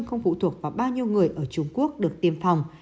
không phụ thuộc vào bao nhiêu người ở trung quốc được tiêm phòng